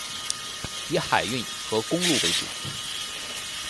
以海运和公路为主。